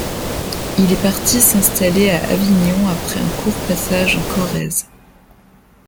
Il est parti s'installer à Avignon après un court passage en Corrèze.